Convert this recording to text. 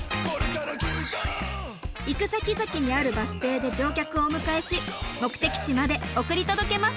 行くさきざきにあるバス停で乗客をお迎えし目的地まで送り届けます！